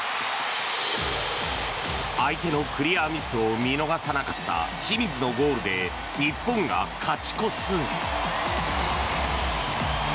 相手のクリアミスを見逃さなかった清水のゴールで日本が勝ち越す。